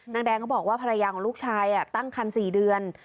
นางแดงก็บอกว่าภรรยาของลูกชายตั้งคัน๔เดือน